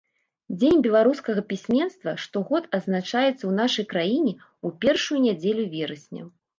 Дзень беларускага пісьменства штогод адзначаецца ў нашай краіне ў першую нядзелю верасня.